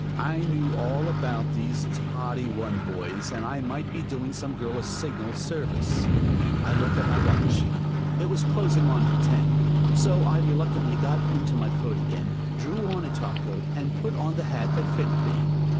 I knew all about these Toddy One Boys, and I might be doing some girl a signal service. I looked at my watch. It was closing on to ten. So I reluctantly got into my coat again, drew on a topcoat, and put on the hat that fitted me.